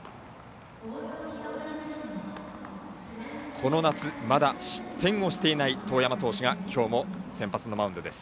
この夏、まだ失点をしていない當山投手が今日も先発のマウンドです。